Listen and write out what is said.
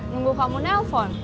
nunggu kamu nelfon